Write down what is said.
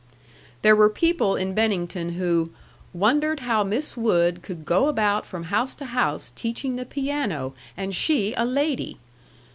There were people in Bennington who "wondered how Miss Wood could go about from house to house teaching the piano, and she a lady."